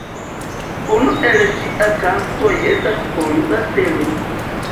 Unu el ŝia kantoj estas "Polusa Stelo".